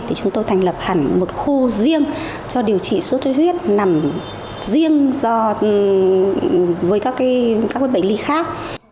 thì chúng tôi thành lập hẳn một khu riêng cho điều trị sốt xuất huyết nằm riêng với các bệnh lý khác